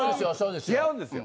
違うんですよ。